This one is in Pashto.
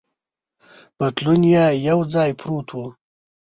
پتلون یې یو ځای پروت و.